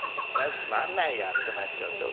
つまんないやってなっちゃうでしょ。